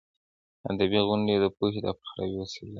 ادبي غونډې د پوهې د خپراوي وسیله ده.